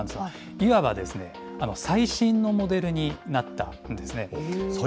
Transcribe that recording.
いわばですね、最新のモデルになったんですね。